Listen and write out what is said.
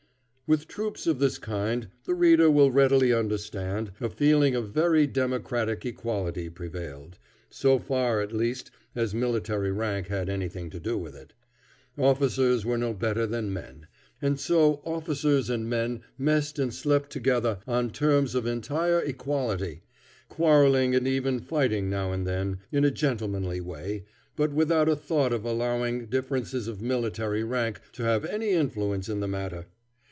With troops of this kind, the reader will readily understand, a feeling of very democratic equality prevailed, so far at least as military rank had anything to do with it. Officers were no better than men, and so officers and men messed and slept together on terms of entire equality, quarreling and even fighting now and then, in a gentlemanly way, but without a thought of allowing differences of military rank to have any influence in the matter.